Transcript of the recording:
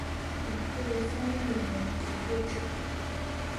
也被翻译为绝对真理。